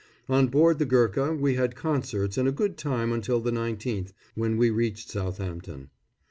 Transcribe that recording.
On board the Ghurka we had concerts and a good time until the 19th, when we reached Southampton.